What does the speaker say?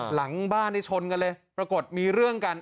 หลังบ้านนี่ชนกันเลยปรากฏมีเรื่องกัน